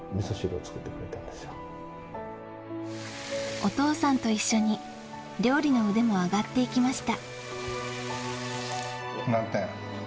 お父さんと一緒に料理の腕も上がっていきました。